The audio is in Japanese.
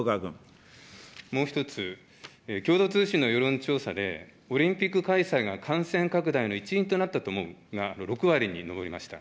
もう一つ、共同通信の世論調査で、オリンピック開催が感染拡大の一因となったと思うが、６割に上りました。